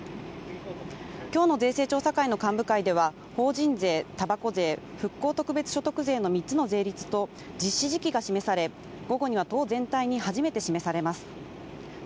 今日の税制調査会の幹部会では法人税、たばこ税、復興特別所得税の３つの税率と実施時期が示され、午後には党全体に初めて示されます。